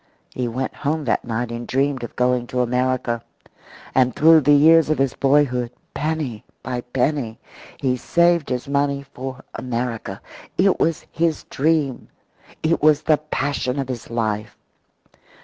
He went home that night and dreamed of going to America. And through the years of his boyhood, penny by penny, he saved his money for America. It was his dream. It was the passion of his life.